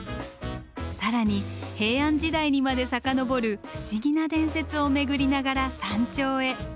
更に平安時代にまで遡る不思議な伝説を巡りながら山頂へ。